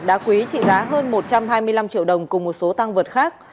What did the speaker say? đá quý trị giá hơn một trăm hai mươi năm triệu đồng cùng một số tăng vật khác